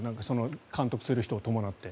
監督する人を伴って。